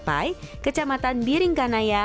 pai kecamatan biringkanaya